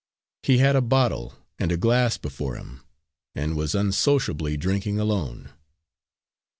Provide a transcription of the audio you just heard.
He had a bottle and a glass before him, and was unsociably drinking alone.